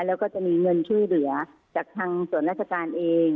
แล้วก็จะมีเงินช่วยเหลือจากทางส่วนราชการเอง